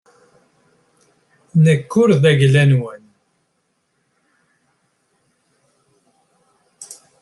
Nekk ur d ayla-nwen.